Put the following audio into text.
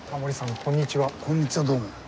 こんにちはどうも。